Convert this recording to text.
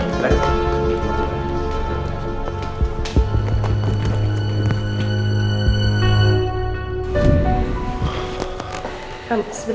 terima kasih pak